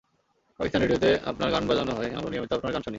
পাকিস্তান রেডিওতে আপনার গান বাজানো হয়, আমরা নিয়মিত আপনার গান শুনি।